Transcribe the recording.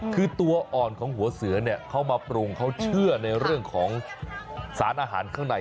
คือตัวอ่อนของหัวเสือเนี่ยเขามาปรุงเขาเชื่อในเรื่องของสารอาหารข้างใน